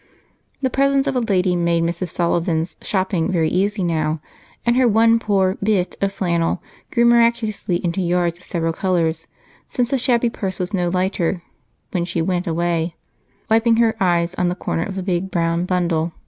The presence of a lady made Mrs. Sullivan's shopping very easy now, and her one poor "bit" of flannel grew miraculously into yards of several colors, since the shabby purse was no lighter when she went away, wiping her eyes on the corner of a big, brown bundle.